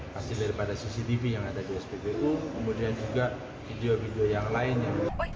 hasil daripada cctv yang ada di spbu kemudian juga video video yang lainnya